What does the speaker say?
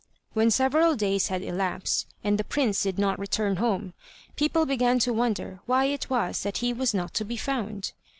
When several days had elapsed and the prince did not return home, people began to wonder why it was that he was not to be found.